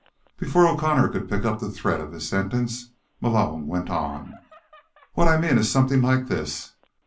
Before O'Connor could pick up the thread of his sentence, Malone went on: "What I mean is something like this.